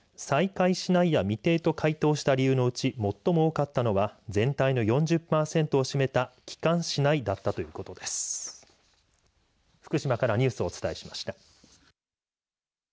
再開しないや未定と回答した理由のうち最も多かったのは全体の４０パーセントを占めた帰還しないだったということです。